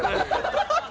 ハハハハ！